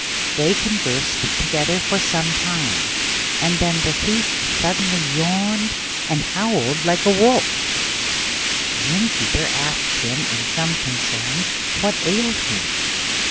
They conversed together for some time, and then the Thief suddenly yawned and howled like a wolf. The Innkeeper asked him in some concern what ailed him.